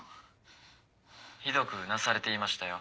ひどくうなされていましたよ。